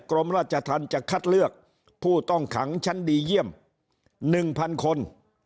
กรมราชธรรมจะคัดเลือกผู้ต้องขังชั้นดีเยี่ยม๑๐๐คน